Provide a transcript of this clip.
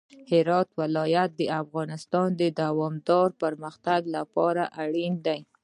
هرات د افغانستان د دوامداره پرمختګ لپاره اړین دي.